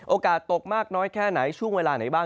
โอกาสตกมากน้อยแค่ไหนช่วงเวลาไหนบ้าง